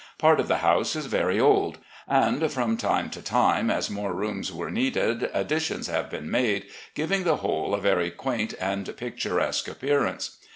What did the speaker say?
Part of the house is very old, and, from time to time, as more rooms were needed, additions have been made, giving the whole a very quaint and picturesque appearance.